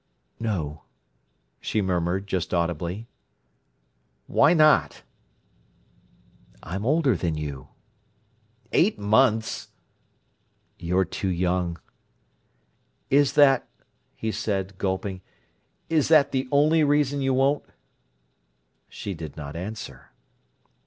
"No," she murmured, just audibly. "Why not?" "I'm older than you." "Eight months!" "You're too young." "Is that—" he said, gulping—"is that the only reason you won't?" She did not answer.